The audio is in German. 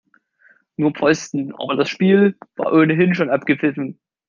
Nur Pfosten, aber das Spiel war ohnehin schon abgepfiffen.